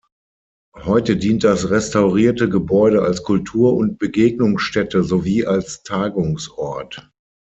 Heute dient das restaurierte Gebäude als Kultur- und Begegnungsstätte sowie als Tagungsort.